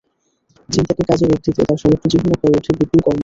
চিন্তাকে কাজে রূপ দিতে তাঁর সমগ্র জীবন হয়ে ওঠে বিপুল কর্মময়।